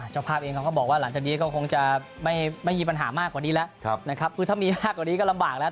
เจ้าภาพเองเขาก็บอกว่าหลังจากนี้ก็คงจะไม่มีปัญหามากกว่านี้แล้วนะครับคือถ้ามีมากกว่านี้ก็ลำบากแล้ว